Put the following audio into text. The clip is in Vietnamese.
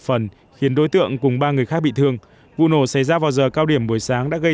phần khiến đối tượng cùng ba người khác bị thương vụ nổ xảy ra vào giờ cao điểm buổi sáng đã gây